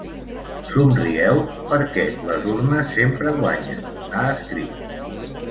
Somrieu, perquè les urnes sempre guanyen, ha escrit.